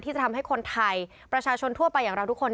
จะทำให้คนไทยประชาชนทั่วไปอย่างเราทุกคน